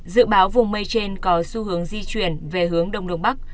dự báo vùng mây trên có xu hướng di chuyển về hướng đông đông bắc